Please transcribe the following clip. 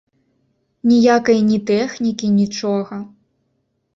Ніякай ні тэхнікі, нічога!